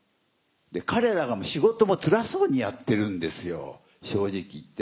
彼らがもう仕事もつらそうにやってるんですよ正直言って。